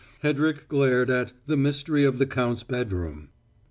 Hedrick glared at "The Mystery of the Count's Bedroom."